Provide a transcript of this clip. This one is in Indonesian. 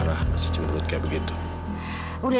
kalau kamu unconditional